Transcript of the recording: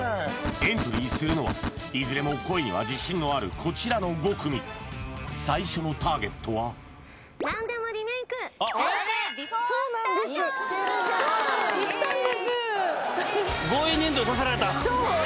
エントリーするのはいずれも声には自信のあるこちらの５組最初のターゲットはイエーイ笑顔が止まらない！